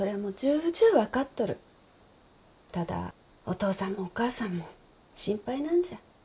ただお父さんもお母さんも心配なんじゃ。